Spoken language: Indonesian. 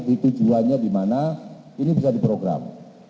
ditujuannya dimana ini bisa diprogram